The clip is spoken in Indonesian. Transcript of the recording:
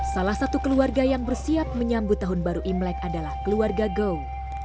salah satu keluarga yang bersiap menyambut tahun baru imlek adalah keluarga gow